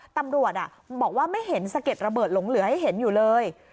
ตำรวจบอกว่าไม่เห็นสะเก็ดระเบิดหลงเหลือให้เห็นอยู่เลย